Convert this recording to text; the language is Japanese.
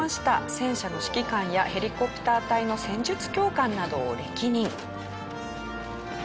戦車の指揮官やヘリコプター隊の戦術教官などを歴任。